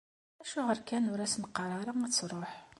Acuɣer kan ur as-neqqar ara ad tṛuḥ?